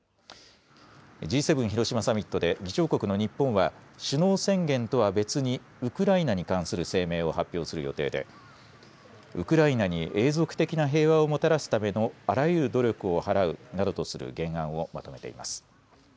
Ｇ７広島サミットで議長国の日本は首脳宣言とは別にウクライナに関する声明を発表する予定でウクライナに永続的な平和をもたらすためのあらゆる努力を払うなどとする原案をまとめています。